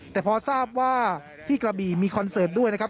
แต่พอทราบว่าที่กระบีมีคอนเสิร์ตด้วยนะครับ